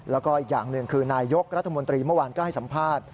แล้วก็อีกอย่างหนึ่งคือนายยกรัฐมนตรีเมื่อวานก็ให้สัมภาษณ์